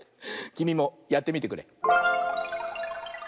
きみもやってみてくれ。